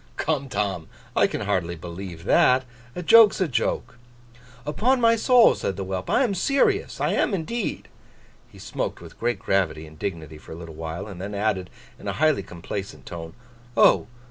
'Come, Tom! I can hardly believe that. A joke's a joke.' 'Upon my soul!' said the whelp. 'I am serious; I am indeed!' He smoked with great gravity and dignity for a little while, and then added, in a highly complacent tone, 'Oh!